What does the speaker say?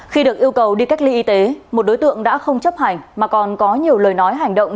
khi được yêu cầu đi cách ly y tế một đối tượng đã không chấp hành mà còn có nhiều lời nói hành động